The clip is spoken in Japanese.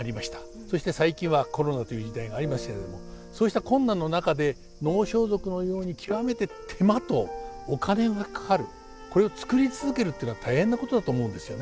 そして最近はコロナという時代がありますけれどもそうした困難の中で能装束のように極めて手間とお金がかかるこれを作り続けるっていうのは大変なことだと思うんですよね。